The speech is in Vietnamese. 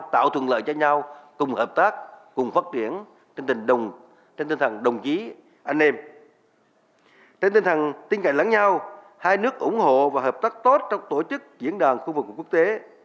trên tinh thần tinh cạnh lãng nhau hai nước ủng hộ và hợp tác tốt trong tổ chức diễn đàn khu vực quốc tế